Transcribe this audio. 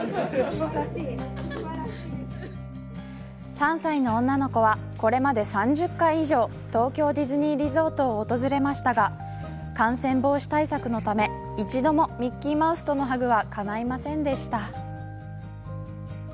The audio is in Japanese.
３歳の女の子はこれまで３０回以上東京ディズニーリゾートを訪れましたが感染防止対策のため一度もミッキーマウスとのハグはかないませんでした。